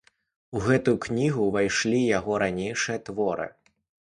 У гэтую кнігу ўвайшлі яго ранейшыя творы.